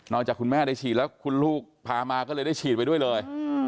จากคุณแม่ได้ฉีดแล้วคุณลูกพามาก็เลยได้ฉีดไปด้วยเลย